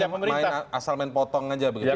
jadi maksudnya asal main potong aja